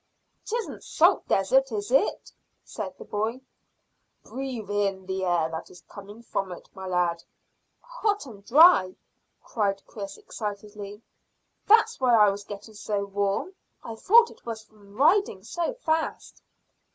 "'Tisn't salt desert, is it?" said the boy. "Breathe in the air that is coming from it, my lad." "Hot and dry," cried Chris excitedly. "That's why I was getting so warm. I thought it was from riding so fast."